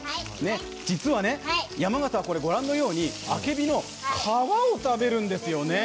実は、山形はご覧のようにあけびの皮を食べるんですよね。